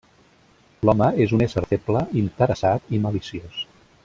L'home és un ésser feble, interessat i maliciós.